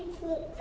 ３。